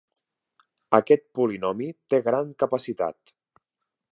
Aquest polinomi té gran capacitat.